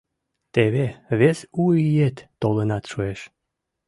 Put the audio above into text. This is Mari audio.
Теве «вес У иет» толынат шуэш.